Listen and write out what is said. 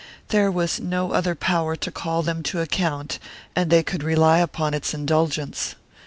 There was no other power to call them to account and they could rely upon its indulgence.